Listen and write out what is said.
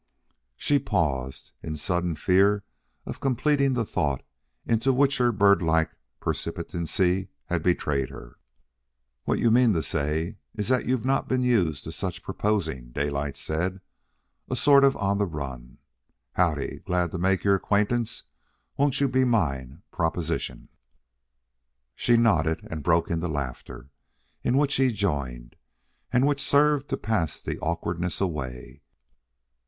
She paused, in sudden fear of completing the thought into which her birdlike precipitancy had betrayed her. "What you mean is that you've not been used to such sort of proposing," Daylight said; "a sort of on the run, 'Howdy, glad to make your acquaintance, won't you be mine' proposition." She nodded and broke into laughter, in which he joined, and which served to pass the awkwardness away.